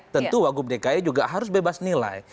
tentu wagub dki juga harus bebas nilai